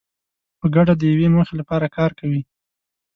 په ګډه د یوې موخې لپاره کار کوي.